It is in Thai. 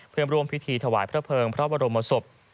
เพื่อร่วมพิธีถวายพระเภิงพระบรมศพ